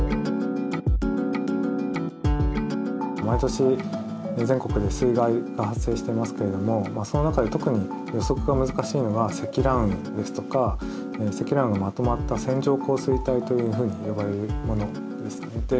毎年全国で水害が発生していますけれどもその中で特に予測が難しいのが積乱雲ですとか積乱雲がまとまった線状降水帯というふうに呼ばれるものですね。